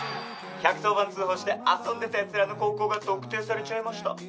１１０番通報して遊んでたやつらの高校が特定されちゃいました